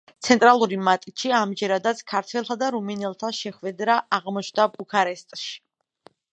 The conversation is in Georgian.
ცენტრალური მატჩი ამჯერადაც ქართველთა და რუმინელთა შეხვედრა აღმოჩნდა ბუქარესტში.